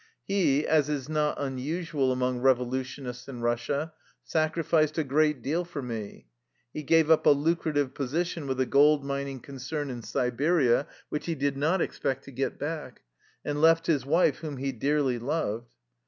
He, as is not unusual among revolutionists in Russia, sacrificed a great deal for me. He gave up a lucrative position with a gold mining concern in Siberia, which he did not expect to get back, and left his wife whom he dearly loved.